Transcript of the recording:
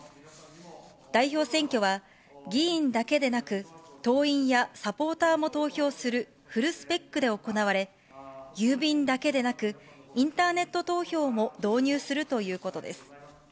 代表選挙は議員だけでなく、党員やサポーターも投票するフルスペックで行われ、郵便だけでなく、インターネット投票も導入するということです。